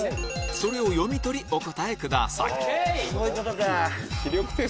それを読み取りお答えください